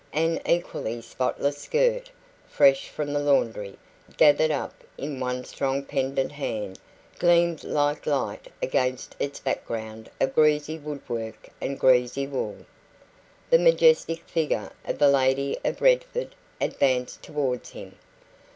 An equally spotless skirt, fresh from the laundry, gathered up in one strong pendant hand, gleamed like light against its background of greasy woodwork and greasy wool. The majestic figure of the lady of Redford advanced towards him.